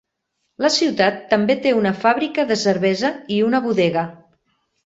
La ciutat també té una fàbrica de cervesa i una bodega.